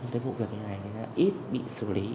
cái vụ việc này ít bị xử lý